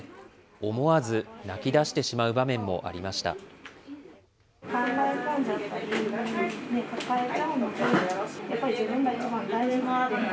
思わず泣き出してしまう場面もありました。